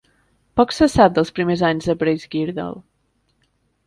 Poc se sap dels primers anys de Bracegirdle.